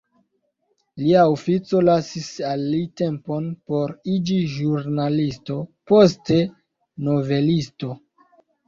Lia ofico lasis al li tempon por iĝi ĵurnalisto poste novelisto.